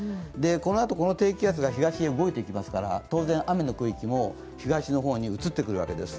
このあと、この低気圧が東に動いていきますから当然、雨の区域も東の方に移ってくるわけです。